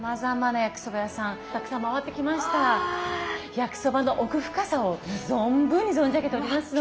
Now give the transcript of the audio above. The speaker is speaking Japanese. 焼きそばの奥深さを存分に存じ上げておりますので。